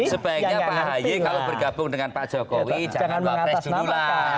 sebaiknya pak ahaye kalau bergabung dengan pak jokowi jangan wapres dulu lah